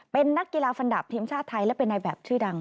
เป็นนักกีฬาฟันดับทีมชาติไทยและเป็นนายแบบชื่อดัง